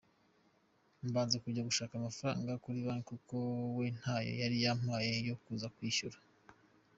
Mbanza kujya gushaka amafaranga kuri banki kuko we ntayo yari yampaye yo kuza kwishyura.